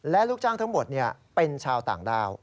และลูกจ้างทั้งหมดเป็นชาวต่างด้าว